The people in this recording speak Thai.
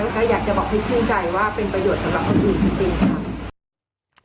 ก็อยากจะบอกให้ชื่นใจว่าเป็นประโยชน์สำหรับคนอื่นจริงค่ะ